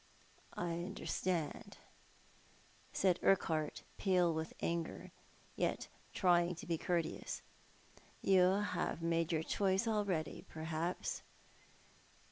" I understand," said Urquhart, pale with anger, yet trying to be courteous. " You have made your choice already, per haps